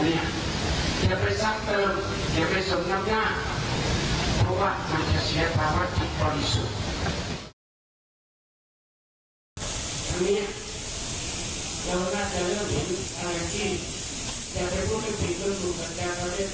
มาโอนแล้วหูดหูดขึ้นไปแล้วโอนแล้วไม่มีประโยชน์อะไรเลย